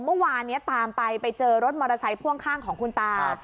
เมื่อวานนี้ตามไปไปเจอรถมอเตอร์ไซค์พ่วงข้างของคุณตา